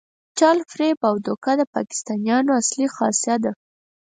چل، فریب او دوکه د پاکستانیانو اصلي خاصه ده.